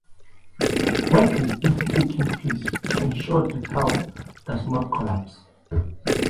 Work has been taking place to ensure the tower does not collapse.